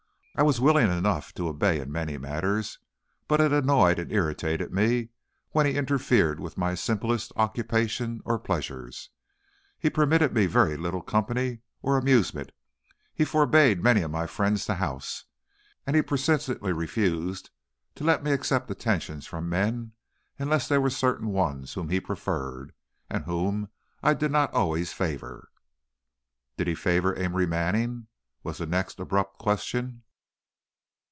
I was willing enough to obey in many matters, but it annoyed and irritated me when he interfered with my simplest occupations or pleasures. He permitted me very little company or amusement; he forbade many of my friends the house; and he persistently refused to let me accept attentions from men, unless they were certain ones whom he preferred, and whom I did not always favor." "Did he favor Amory Manning?" was the next abrupt question.